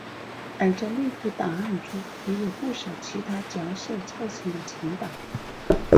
而在内部档案中也有不少其他角色造成的存档。